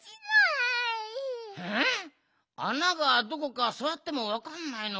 あながどこかさわってもわかんないのかな？